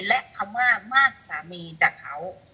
และคำว่ามากสามีจากเขา